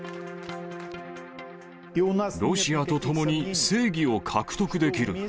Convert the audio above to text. ロシアとともに正義を獲得できる。